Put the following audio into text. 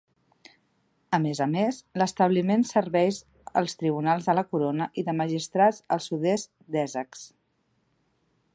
A més a més, l'establiment serveis els Tribunals de la Corona i de Magistrats al sud-est d'Essex.